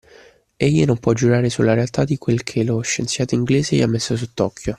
Egli non può giurare su la realtà di quel che lo scienziato inglese gli ha messo sott’occhio